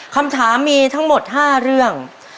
คำถามมีทั้งหมด๕เรื่อง